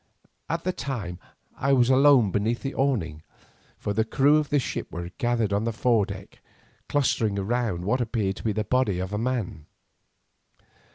At the time I was alone beneath the awning, for the crew of the ship were gathered on the foredeck clustering round what appeared to be the body of a man.